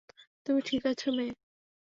তুমি ঠিক আছো, মেয়ে?